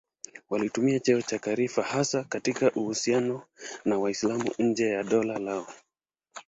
Walitumia cheo cha khalifa hasa katika uhusiano na Waislamu nje ya dola lao.